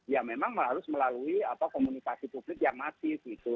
ya memang harus melalui komunikasi publik yang masif gitu